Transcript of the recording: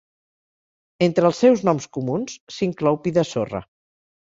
Entre els seus noms comuns s'inclou "pi de sorra".